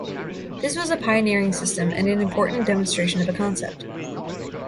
This was a pioneering system and an important demonstration of a concept.